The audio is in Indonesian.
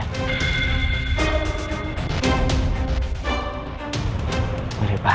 itu benar sekali